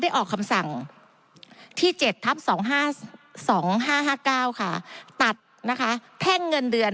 ได้ออกคำสั่งที่๗๒๕๕๙ตัดแท่งเงินเดือน